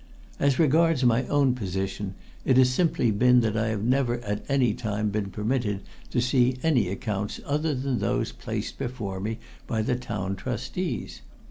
As regards my own position, it has simply been that I have never at any time been permitted to see any accounts other than those placed before me by the Town Trustees.